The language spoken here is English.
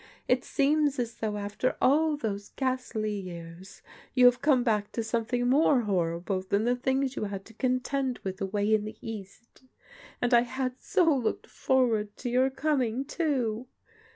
It seems as though after all those ghastly years you have come back to something more horrible than the things you had to contend with away in the East ; and I had so looked forward to your coming, too.